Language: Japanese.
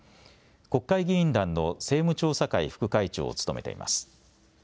国会議員団の政務調査会副会長を務めています。